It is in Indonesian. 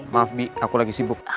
maaf bi aku lagi sibuk